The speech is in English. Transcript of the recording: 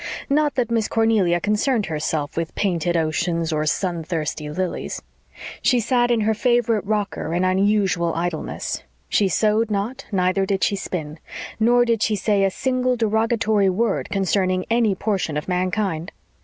Not that Miss Cornelia concerned herself with painted oceans or sun thirsty lilies. She sat in her favorite rocker in unusual idleness. She sewed not, neither did she spin. Nor did she say a single derogatory word concerning any portion of mankind.